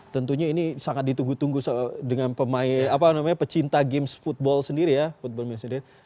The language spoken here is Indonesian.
tentunya ini sangat ditunggu tunggu dengan pemain apa namanya pecinta games football sendiri ya